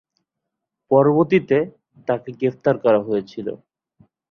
পরবর্তীতে, তাকে গ্রেফতার করা হয়েছিল।